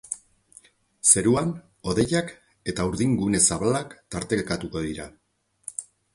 Zeruan hodeiak eta urdingune zabalak tartekatuko dira.